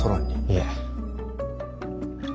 いえ。